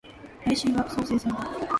来週は相生祭だ